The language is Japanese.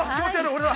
俺だ。